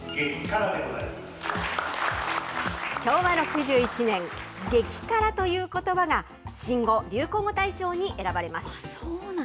昭和６１年、激辛ということばが新語・流行語大賞に選ばれます。